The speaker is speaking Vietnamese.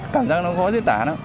cảm giác nó gói dưới tả